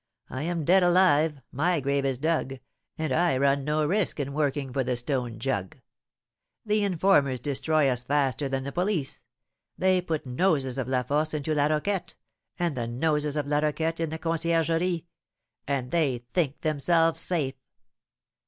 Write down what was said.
I am dead alive, my grave is dug, and I run no risk in working for the stone jug. The informers destroy us faster than the police; they put noses of La Force into La Roquette, and the noses of La Roquette in the Conciergerie, and they think themselves safe.